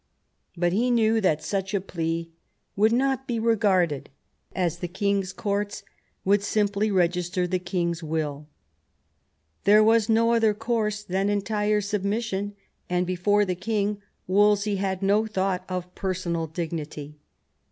But he knew that such a plea would not be regarded, as the king's courts would simply register the king's will. There was no other course than entire submission, and before the king Wolsey had no thought of personal dignity.